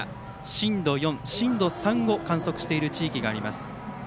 震度４、震度３を観測している地域があります。